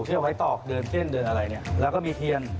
ที่เอาไว้ตอกเดินเส้นเดินอะไรเนี่ยแล้วก็มีเทียน